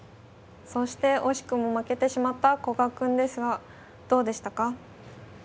そして惜しくも負けてしまった古賀くんですがどうでしたか。